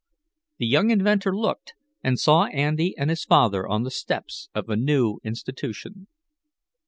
The young inventor looked, and saw Andy and his father on the steps of the new institution.